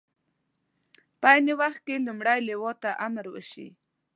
په عین وخت کې لومړۍ لواء ته امر وشي.